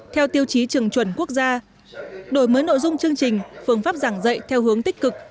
theo tiêu chí trường chuẩn quốc gia đổi mới nội dung chương trình phương pháp giảng dạy theo hướng tích cực